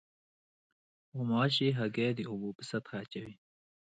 غوماشې هګۍ د اوبو په سطحه اچوي.